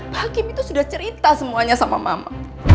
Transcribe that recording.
pak kim sudah cerita semuanya sama mama